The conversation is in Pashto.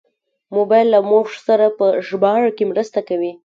موبایل له موږ سره په ژباړه کې مرسته کوي.